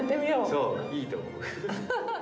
そういいと思う。